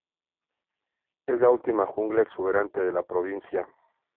Es la última jungla exuberante de la provincia.